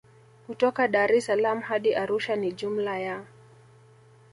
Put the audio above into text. Kutoka Daressalaam hadi Arusha ni jumla ya